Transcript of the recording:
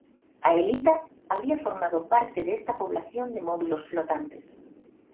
Aelita habría formado parte de esta población de módulos flotantes.